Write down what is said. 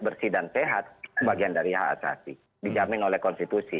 bersih dan sehat bagian dari hak asasi dijamin oleh konstitusi